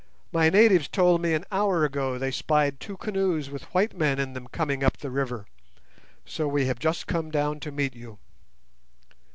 My natives told me an hour ago they spied two canoes with white men in them coming up the river; so we have just come down to meet you."